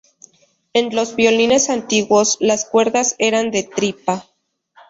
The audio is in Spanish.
En los violines antiguos, las cuerdas eran de tripa.